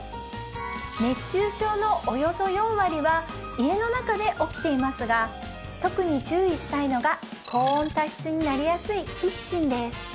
熱中症のおよそ４割は家の中で起きていますが特に注意したいのが高温多湿になりやすいキッチンです